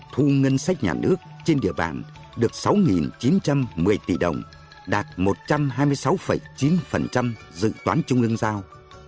thu ngân sách nhà nước trên địa bàn được sáu chín trăm một mươi tỷ đồng đạt một trăm hai mươi sáu chín dự toán trung ương giao